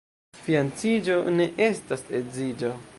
Fianĉiĝo ne estas edziĝo.